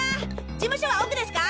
事務所は奥ですか？